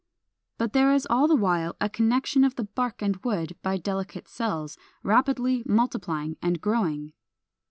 But there is all the while a connection of the bark and the wood by delicate cells, rapidly multiplying and growing.